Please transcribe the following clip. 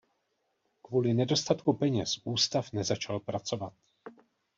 Kvůli nedostatku peněz ústav nezačal pracovat.